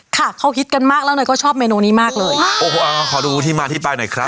ค่ะเขาฮิตกันมากแล้วเนยก็ชอบเมนูนี้มากเลยโอ้โหอ่าขอดูที่มาที่ไปหน่อยครับ